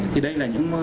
thì đây là những